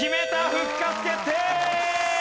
復活決定！